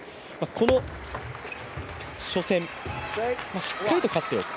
この初戦、しっかりと勝っていく。